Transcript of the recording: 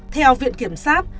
theo viện kiểm sát